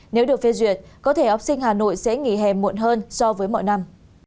nếu được phê duyệt có thể học sinh hà nội sẽ nghỉ hè muộn hơn so với mọi năm